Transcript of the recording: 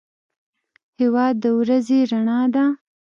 هېواد د ورځې رڼا ده.